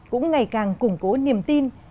cũng ngày càng củng cố niềm tin